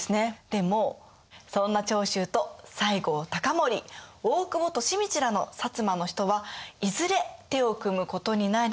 でもそんな長州と西郷隆盛大久保利通らの摩の人はいずれ手を組むことになり。